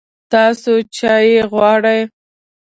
تاسو چای غواړئ؟